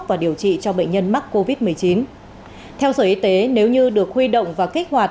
và điều trị cho bệnh nhân mắc covid một mươi chín theo sở y tế nếu như được huy động và kích hoạt